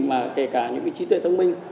mà kể cả những cái trí tuệ thông minh